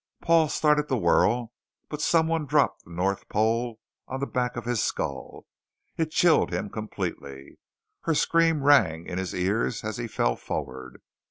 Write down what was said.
Paul started to whirl, but someone dropped the north pole on the back of his skull. It chilled him completely. Her scream rang in his ears as he fell forward.